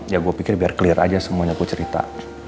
ya gue pikir biar clear aja semuanya gue cerita